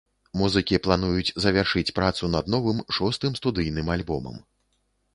Музыкі плануюць завяршыць працу над новым, шостым студыйным альбомам.